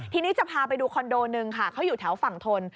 ทีนี้จะพาไปดูคอนโดหนึ่งค่ะเขาอยู่แถวฝั่งทน